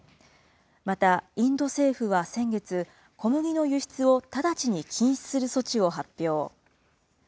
また、インド政府は先月、小麦の輸出を直ちに禁止する措置を発表。